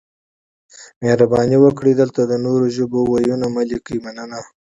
مهرباني وکړئ دلته د نورو ژبو وييونه مه لیکئ مننه